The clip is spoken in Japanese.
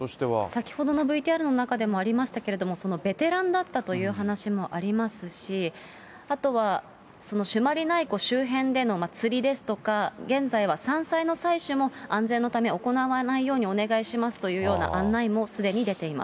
先ほどのＶＴＲの中でもありましたけれども、そのベテランだったという話もありますし、あとは、朱鞠内湖周辺での釣りですとか、現在は山菜の採取も、安全のため、行わないようにお願いしますというような案内もすでに出ています。